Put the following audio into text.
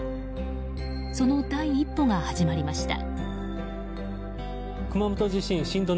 その第一歩が始まりました。